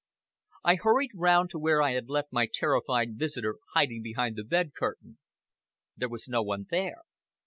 I hurried round to where I had left my terrified visitor hiding behind the bed curtain. There was no one there.